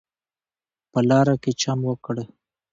په لاره کې چم وکړ.